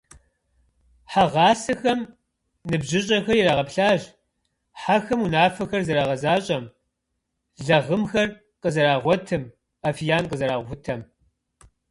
Хьэгъасэхэм ныбжьыщӏэхэр ирагъэплъащ хьэхэм унафэхэр зэрагъэзащӏэм, лагъымхэр къызэрагъуэтым, афиян къызэрахутэм.